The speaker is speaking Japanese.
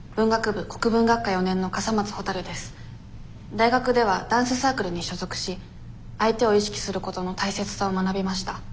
大学ではダンスサークルに所属し相手を意識することの大切さを学びました。